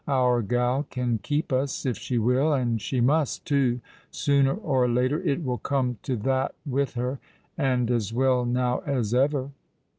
Our gal can keep us, if she will—and she must too. Sooner or later it will come to that with her—and as well now as ever."